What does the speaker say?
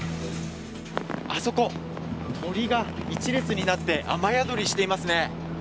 あそこ、鳥が一列になって雨宿りしていますね。